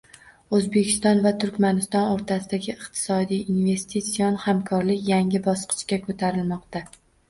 O‘zbekiston va Turkmaniston o‘rtasidagi iqtisodiy-investitsion hamkorlik yangi bosqichga ko‘tarilmoqda